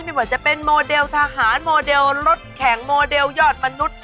ไม่ว่าจะเป็นโมเดลทหารโมเดลรถแข่งโมเดลยอดมนุษย์